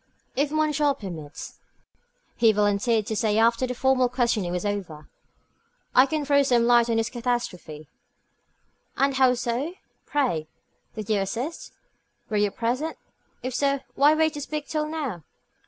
"If monsieur permits," he volunteered to say after the formal questioning was over, "I can throw some light on this catastrophe." "And how so, pray? Did you assist? Were you present? If so, why wait to speak till now?"